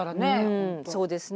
うんそうですね。